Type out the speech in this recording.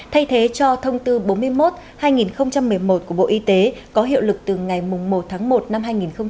thay thế cho thông tư bốn mươi một hai nghìn một mươi một của bộ y tế có hiệu lực từ ngày một tháng một năm hai nghìn hai mươi